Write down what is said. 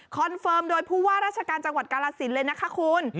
เฟิร์มโดยผู้ว่าราชการจังหวัดกาลสินเลยนะคะคุณ